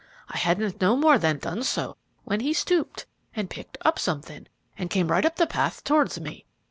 I hadn't no more than done so, when he stooped and picked up something, and come right up the path towards me.